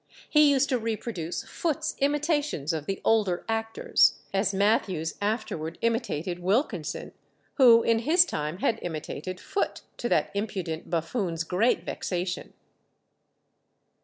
He used to reproduce Foote's imitations of the older actors as Mathews afterward imitated Wilkinson, who in his time had imitated Foote, to that impudent buffoon's great vexation.